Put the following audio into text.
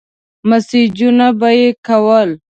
مسېجونه به يې کول.